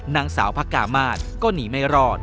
นางสาวพระกามาศก็หนีไม่รอด